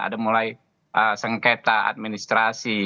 ada mulai sengketa administrasi